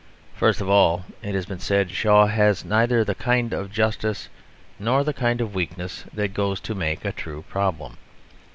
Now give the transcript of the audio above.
First of all, as has been said, Shaw has neither the kind of justice nor the kind of weakness that goes to make a true problem.